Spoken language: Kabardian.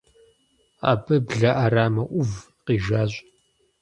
Абы блэ Ӏэрамэ Ӏув къижащ.